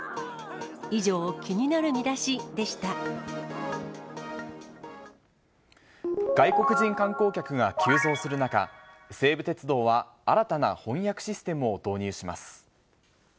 以上、外国人観光客が急増する中、西武鉄道は新たな翻訳システムを導入します。